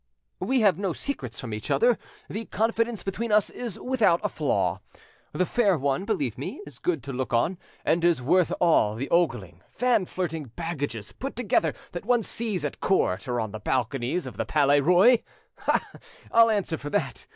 "We have no secrets from each other; the confidence between us is without a flaw. The fair one, believe me, is good to look on, and is worth all the ogling, fan flirting baggages put together that one sees at court or on the balconies of the Palais Roy: ah! I'll answer for that.